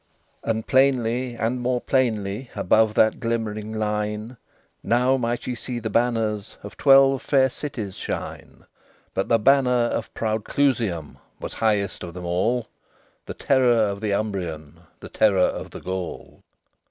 XXII And plainly and more plainly, Above that glimmering line, Now might ye see the banners Of twelve fair cities shine; But the banner of proud Clusium Was highest of them all, The terror of the Umbrian, The terror of the Gaul.